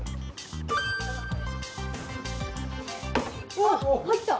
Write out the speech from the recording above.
おっ入った。